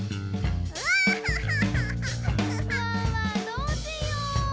どうしよう？